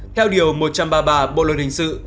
theo điều một trăm ba mươi ba bộ luật hình sự